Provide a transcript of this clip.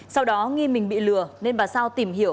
sau đó nghi mình bị lừa nên bà sao tìm hiểu